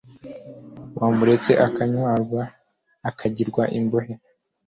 Wamuretse akanyagwa akagirwa imbohe